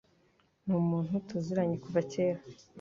Ni umuntu tuziranye kuva kera.